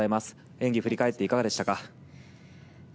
演技、振り返っていかがでしたか？